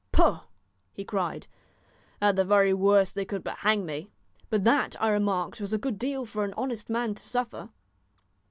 "Pooh!" he cried; "at the very worst they could but hang me." But that, I remarked, was a good deal for an honest man to suffer.